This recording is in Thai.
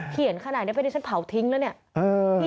เขียนขนาดนี้เป็นที่ฉันเผาทิ้งแล้วเนี่ย